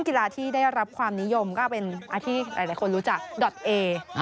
ความนิยมก็เป็นอาทิตย์ที่หลายคนรู้จักดอตเอ